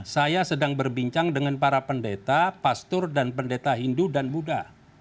saya sedang berbincang dengan para pendeta pastur dan pendeta hindu dan buddha